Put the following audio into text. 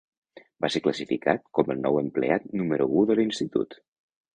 Va ser classificat com el nou empleat número u de l'institut.